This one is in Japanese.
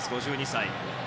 ５２歳。